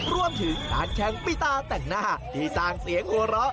รวมถึงการแข่งปิตาแต่งหน้าที่สร้างเสียงหัวเราะ